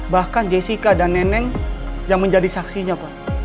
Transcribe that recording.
bahkan jessica dan neneng yang menjadi saksinya pak